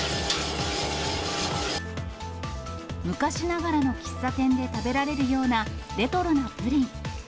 昔ながらの喫茶店で食べられるようなレトロなプリン。